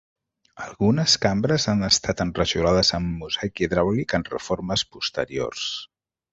Algunes cambres han estat enrajolades amb mosaic hidràulic en reformes posteriors.